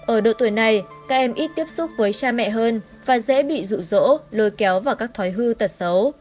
ở độ tuổi này các em ít tiếp xúc với cha mẹ hơn và dễ bị rủ rỗ lôi kéo vào các thói hư tật xấu